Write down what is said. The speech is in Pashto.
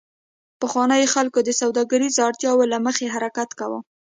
پخوانیو خلکو د سوداګریزو اړتیاوو له مخې حرکت کاوه